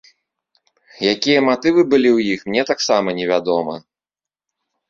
Якія матывы былі ў іх, мне таксама невядома.